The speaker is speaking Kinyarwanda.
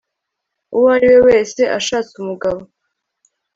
uwo ari we wese ashatse umugabo